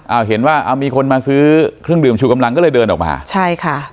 เอาเห็นว่าอ่ามีคนมาซื้อเครื่องดื่มชูกำลังก็เลยเดินออกมาใช่ค่ะ